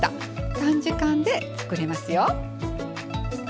短時間で作れますよ。